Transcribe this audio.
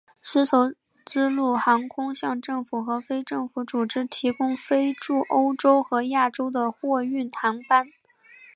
丝绸之路航空向政府和非政府组织提供飞往欧洲和亚洲的货运航班。